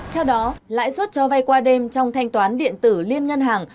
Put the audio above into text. theo đó lãi suất cho vay qua đêm trong thanh toán điện tử liên ngân hàng